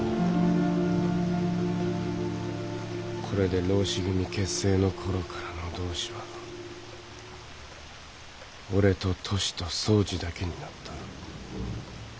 これで浪士組結成の頃からの同志は俺と歳と総司だけになった。